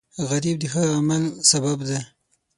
غریب د ښه عمل سبب دی